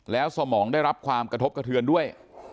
แล้วสมองได้รับความกระทบกระเทือนด้วย